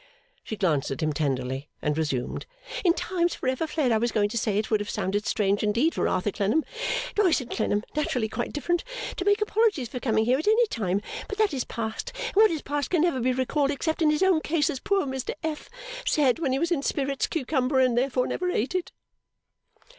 She glanced at him tenderly, and resumed: 'In times for ever fled I was going to say it would have sounded strange indeed for Arthur Clennam Doyce and Clennam naturally quite different to make apologies for coming here at any time, but that is past and what is past can never be recalled except in his own case as poor Mr F. said when he was in spirits Cucumber and therefore never ate it.